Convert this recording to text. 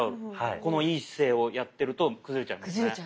この良い姿勢をやってると崩れちゃいますね。